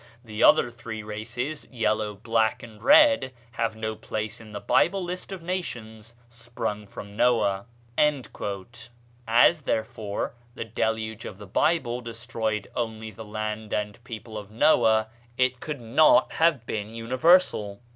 The other three races yellow, black, and red have no place in the Bible list of nations sprung from Noah." As, therefore, the Deluge of the Bible destroyed only the land and people of Noah, it could not have been universal.